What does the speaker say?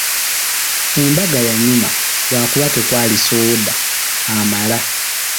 Embaga yanyuma lwakuba tekwali soda amala.